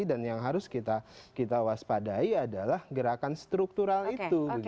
yang harus kita waspadai adalah gerakan struktural itu